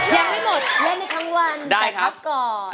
อยากให้หมดเล่นอีกทั้งวันแต่พักก่อน